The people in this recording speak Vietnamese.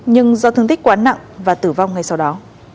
nhưng do thương tích quá nặng và tử vong ngay sau đó